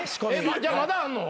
じゃあまだあんの？